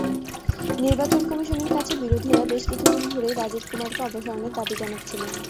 নির্বাচন কমিশনের কাছে বিরোধীরা বেশ কিছুদিন ধরেই রাজীব কুমারকে অপসারণের দাবি জানাচ্ছিলেন।